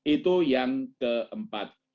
itu yang keempat